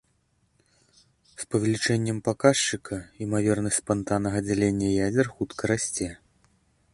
З павелічэннем паказчыка імавернасць спантаннага дзялення ядзер хутка расце.